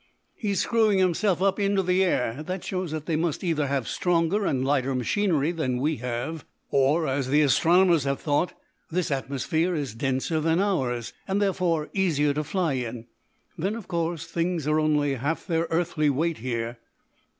"He's screwing himself up into the air. That shows that they must either have stronger and lighter machinery than we have, or, as the astronomers have thought, this atmosphere is denser than ours, and therefore easier to fly in. Then, of course, things are only half their earthly weight here.